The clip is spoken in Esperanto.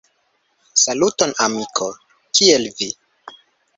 Saluton amiko, kiel vi?